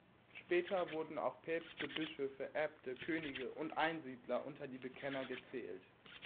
Später wurden auch Päpste, Bischöfe, Äbte, Könige und Einsiedler unter die Bekenner gezählt.